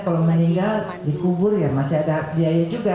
kalau meninggal dikubur ya masih ada biaya juga